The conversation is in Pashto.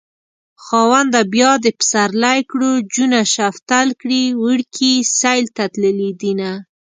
خاونده بيا دې پسرلی کړو جونه شفتل کړي وړکي سيل ته تللي دينه